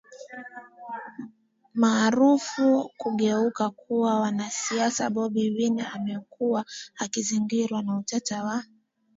maarufu kugeuka kuwa wanasiasa Bobi Wine amekuwa akizingirwa na utata wa